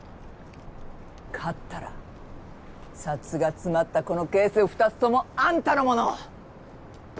勝ったら札が詰まったこのケース２つ共あんたのもの。